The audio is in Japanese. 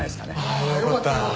ああよかった。